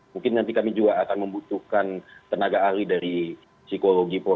mungkin nanti kami juga akan membutuhkan tenaga ahli dari psikologi